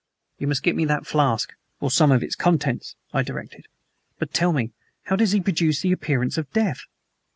"You must get me that flask, or some of its contents," I directed. "But tell me, how does he produce the appearance of death?"